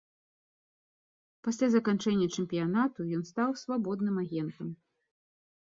Пасля заканчэння чэмпіянату ён стаў свабодным агентам.